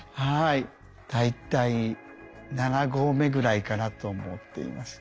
大体７合目ぐらいかなと思っています。